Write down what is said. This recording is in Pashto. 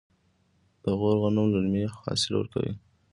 د غور غنم للمي حاصل ورکوي.